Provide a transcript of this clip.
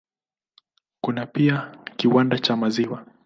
Kuna pia kiwanda cha maziwa.